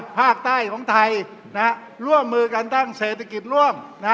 ภาคใต้ของไทยร่วมมือกันตั้งเศรษฐกิจร่วม